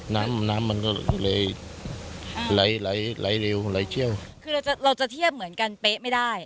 น้ำน้ำมันก็เลยไหลไหลเร็วไหลเชี่ยวคือเราจะเราจะเทียบเหมือนกันเป๊ะไม่ได้